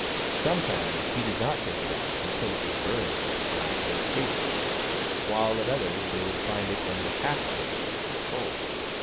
Some times he did not take it out until it was burned black and tasteless, while at others they would find it only half cooked, and cold.